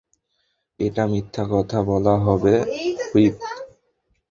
এটা মিথ্যা কথা বলা হবে, হুইপ।